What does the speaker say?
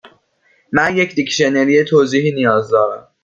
من یک دیکشنری توضیحی نیاز دارم.